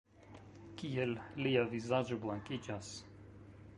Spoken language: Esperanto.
Kiel lia vizaĝo blankiĝas?